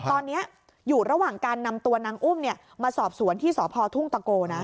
ตอนนี้อยู่ระหว่างการนำตัวนางอุ้มมาสอบสวนที่สพทุ่งตะโกนะ